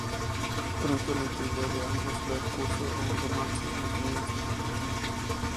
Pronto la intimidad de ambos da curso a un romance, al comienzo muy contenido.